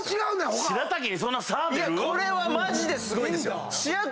これはマジですごいです。